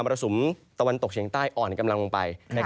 รสุมตะวันตกเฉียงใต้อ่อนกำลังลงไป